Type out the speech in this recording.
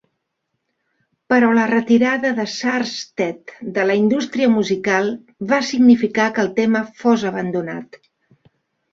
Però la retirada de Sarstedt de la indústria musical va significar que el tema fos abandonat.